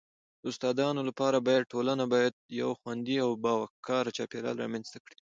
د استادانو لپاره باید ټولنه باید یو خوندي او باوقاره چاپیریال رامنځته کړي..